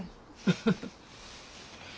フフフ。